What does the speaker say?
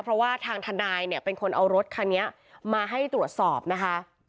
เพราะว่าทางทนายเนี่ยเป็นคนเอารถคันนี้มาให้ตรวจสอบนะคะ